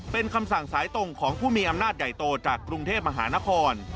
เป็นคำสั่งสายตรงของผู้มีอำนาจใหญ่โตจากกรุงเทพมหานคร